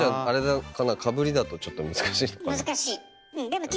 あれかなかぶりだとちょっと難しいのかな。